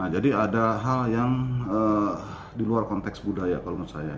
jadi ada hal yang di luar konteks budaya kalau menurut saya